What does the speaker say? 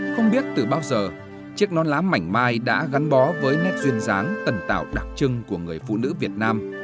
không biết từ bao giờ chiếc non lá mảnh mai đã gắn bó với nét duyên dáng tần tạo đặc trưng của người phụ nữ việt nam